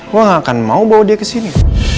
gue gak akan mau bawa dia kesini